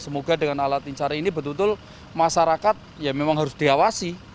semoga dengan alat pincar ini betul betul masyarakat ya memang harus diawasi